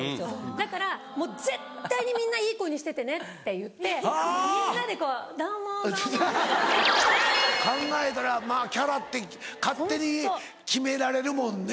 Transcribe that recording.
だから「絶対にみんないい子にしててね」って言ってみんなでこう「どうもどうも」みたいな。考えたらまぁキャラって勝手に決められるもんね。